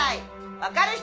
分かる人？